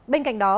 bên cạnh đó